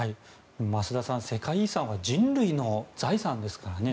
増田さん、世界遺産は人類の財産ですからね。